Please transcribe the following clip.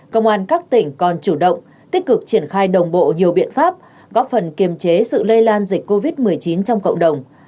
công an các tỉnh còn chủ động tích cực triển khai đồng bộ nhiều biện pháp góp phần kiềm chế sự lây lan dịch covid một mươi chín trong cộng đồng